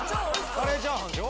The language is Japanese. カレーチャーハンでしょ。